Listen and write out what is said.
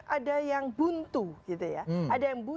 ada yang buntu gitu ya